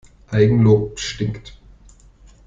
Eigenlob stinkt.